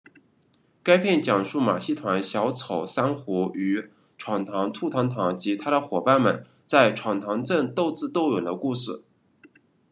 该片讲述马戏团小丑珊瑚与闯堂兔堂堂及他的伙伴们在闯堂镇斗智斗勇的故事。